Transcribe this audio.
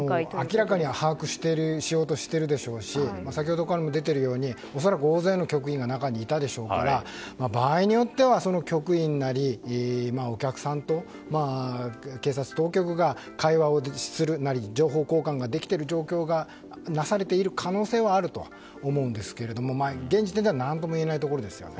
明らかに把握しようとしているでしょうし先ほどからも出ているように恐らく大勢の局員が中にいたでしょうから場合によっては局員なりお客さんと、警察当局が会話をするなり情報交換ができている状況がなされている可能性はあると思うんですけれども現時点では何とも言えないところですよね。